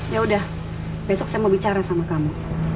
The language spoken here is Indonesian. ya udah besok saya mau bicara sama kamu